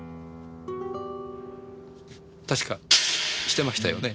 確かしてましたよねぇ？